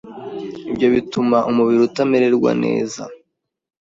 ibyo bituma umubiri utamererwa neza,